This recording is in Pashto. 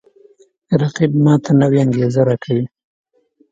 رقیب ما ته نوی انگیزه راکوي